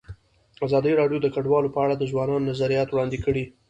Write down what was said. ازادي راډیو د کډوال په اړه د ځوانانو نظریات وړاندې کړي.